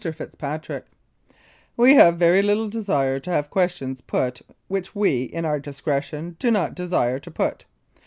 FITZPATRICK: We have very little desire to have questions put which we, in our discretion, do not desire to put.